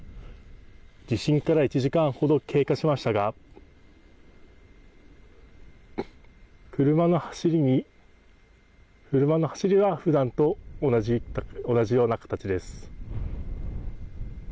地震から１時間ほど経過しましたが、車の走りはふだんと同じような形です。